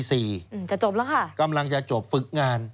จะจบแล้วค่ะกำลังจะจบฝึกงาน